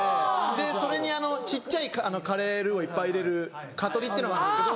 それに小っちゃいカレールーをいっぱい入れるカトリっていうのがあるんですけど。